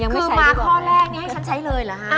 คือมาข้อแรกนี้ให้ฉันใช้เลยเหรอฮะ